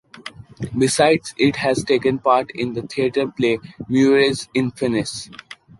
Besides, it has taken part in the theatre play “Mujeres infieles”.